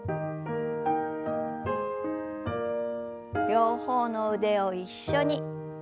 両方の腕を一緒に。